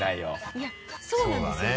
いやそうなんですよ。